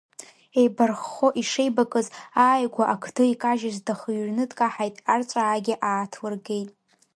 Еибарххо ишеибакыз, ааигәа ақды икажьыз дахыҩрны дкаҳаит, арҵәаагьы ааҭлыргеит.